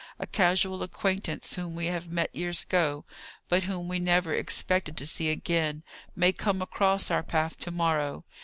A casual acquaintance whom we have met years ago, but whom we never expected to see again, may come across our path to morrow.